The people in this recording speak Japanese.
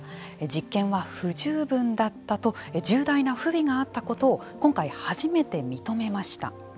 実験は不十分だったと重大な不備があったことを今回初めて認めました。